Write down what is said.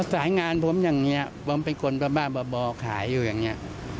สายงานผมอย่างนี้ผมเป็นคนบ้าบ่อขายอยู่อย่างนี้